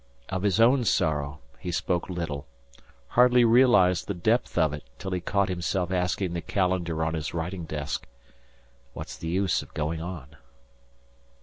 Of his own sorrow he spoke little hardly realized the depth of it till he caught himself asking the calendar on his writing desk, "What's the use of going on?"